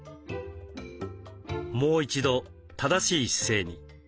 もう一度正しい姿勢に。